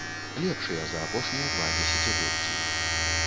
Лепшыя за апошнія два дзесяцігоддзі.